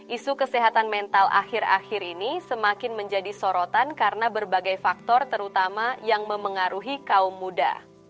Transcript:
isu kesehatan mental akhir akhir ini semakin menjadi sorotan karena berbagai faktor terutama yang memengaruhi kaum muda